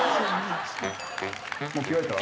もう着替えた？